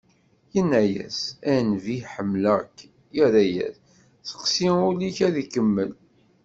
Yenna-as: "A nnbi ḥemmleɣ-k." Yerra-as: "Seqsi ul-ik ad ak-yemmel."